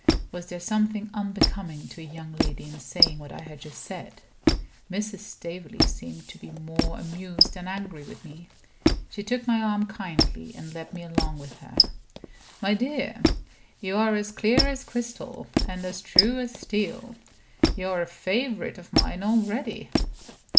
Was there something unbecoming to a young lady in saying what I had just said? Mrs. Staveley seemed to be more amused than angry with me. She took my arm kindly, and led me along with her. "My dear, you are as clear as crystal, and as true as steel. You are a favorite of mine already."